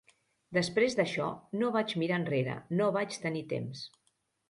Després d'això no vaig mirar enrere; no vaig tenir temps.